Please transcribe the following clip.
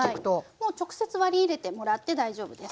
もう直接割り入れてもらって大丈夫です。